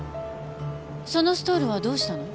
そのストールはどうしたの？